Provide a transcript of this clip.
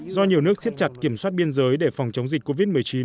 do nhiều nước siết chặt kiểm soát biên giới để phòng chống dịch covid một mươi chín